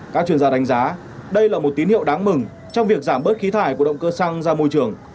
các chuyên gia đánh giá đây là một tín hiệu đáng mừng trong việc giảm bớt khí thải của động cơ xăng ra môi trường